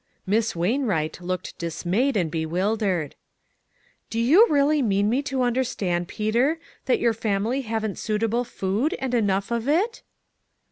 Miss Wainwright looked dismayed and be wildered. "Do you really mean me to understand, Peter, that your family haven't suitable food and enough of it